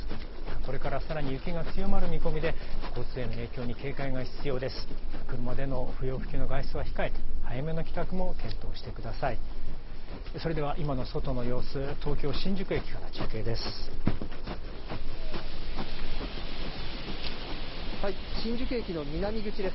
これからさらに雪が強まる見込みで交通への影響に警戒が必要です。